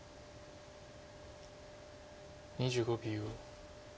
２５秒。